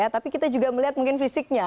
tapi kita juga melihat mungkin fisiknya